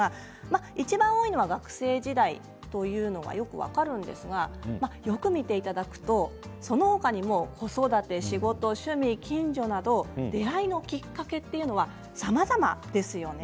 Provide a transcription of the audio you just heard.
いちばん多いのは学生時代というのは、よく分かるんですがよく見ていただくと、その他にも子育て、仕事、趣味、近所など出会いのきっかけというのはさまざまですよね。